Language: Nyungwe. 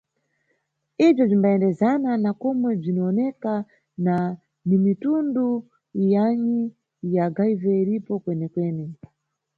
Ibzwo bzwimbayendezana na komwe bzwiniwoneka na ni mitundu yanyi ya HIV iripo kwenekwene.